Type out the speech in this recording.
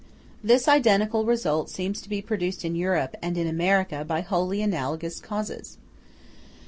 This identical result seems to be produced in Europe and in America by wholly analogous causes.